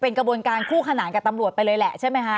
เป็นกระบวนการคู่ขนานกับตำรวจไปเลยแหละใช่ไหมคะ